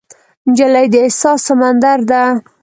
نجلۍ د احساس سمندر ده.